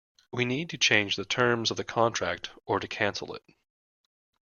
We need to change the terms of the contract, or to cancel it